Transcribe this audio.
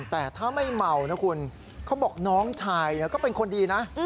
แต่ถ้าไม่เมานะคุณเขาบอกน้องชายก็เป็นคนดีนะ